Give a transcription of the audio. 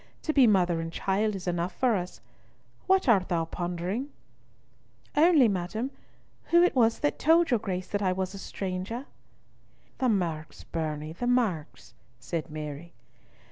To be mother and child is enough for us. What art thou pondering?" "Only, madam, who was it that told your Grace that I was a stranger?" "The marks, bairnie, the marks," said Mary.